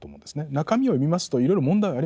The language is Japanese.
中身を見ますといろいろ問題はあります。